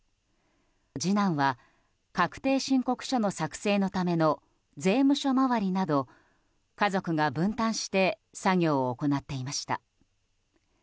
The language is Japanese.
次男は確定申告書の作成のための税務署回りなど家族が分担して作業を行っていました。